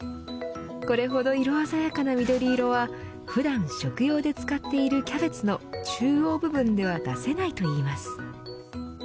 これほど色鮮やかな緑色は普段、食用で使っているキャベツの中央部分では出せないといいます。